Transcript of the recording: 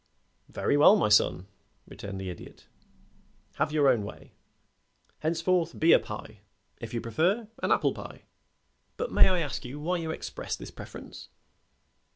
"Very well, my son," returned the Idiot. "Have your own way. Henceforth be a pie if you prefer an apple pie. But may I ask why you express this preference?"